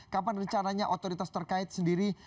kapan rencananya otoritas terkait sendiri